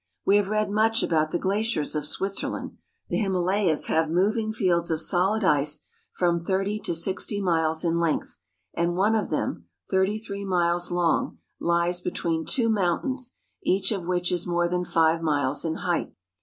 We have read much about the glaciers of Switzerland. The Himalayas have moving fields of solid ice from thirty to sixty miles in length, and one of them, thirty three miles long, lies between two mountains, each of which is more than five miles in height.